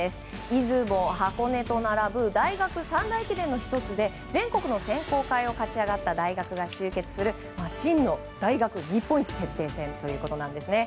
出雲、箱根と並ぶ大学三大駅伝の１つで全国の選考会を勝ち上がった大学が集結する真の大学日本一決定戦ということなんですね。